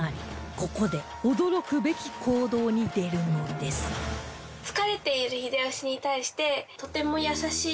ここで驚くべき行動に出るのですと思います。